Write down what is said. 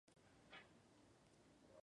Entertainment y Genius Brands.